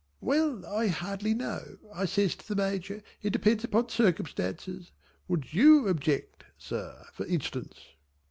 "Well I hardly know," I says to the Major. "It depends upon circumstances. Would you object Sir for instance?"